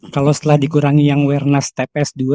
kalau setelah dikurangi yang awareness tps dua